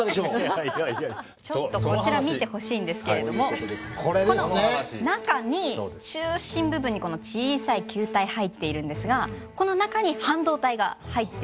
ちょっとこちら見てほしいんですけれどもこの中に中心部分にこの小さい球体入っているんですがこの中に半導体が入っています。